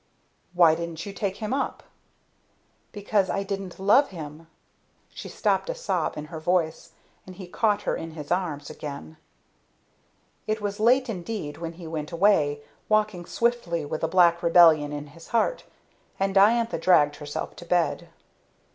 "Why didn't you take him up?" "Because I didn't love him." She stopped, a sob in her voice, and he caught her in his arms again. It was late indeed when he went away, walking swiftly, with a black rebellion in his heart; and Diantha dragged herself to bed.